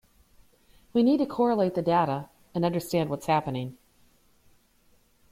We need to correlate the data and understand what is happening.